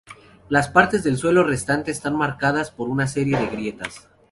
Las partes del suelo restante están marcadas por una serie de grietas.